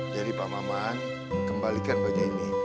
jadi pak maman kembalikan baju ini